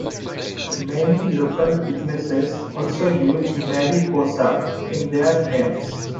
Many local businesses also use "Mariposa" in their names.